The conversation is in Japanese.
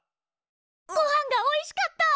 ごはんがおいしかった！